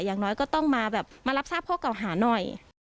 อย่างน้อยก็ต้องมาแบบมารับทราบข้อเก่าหาหน่อย